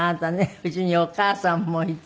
家にお母さんもいて。